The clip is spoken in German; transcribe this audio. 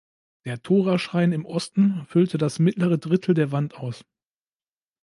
Der Toraschrein im Osten füllte das mittlere Drittel der Wand aus.